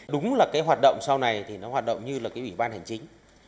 đúng là cái hoạt động sau này thì nó hoạt động như là cái ủy ban hành chính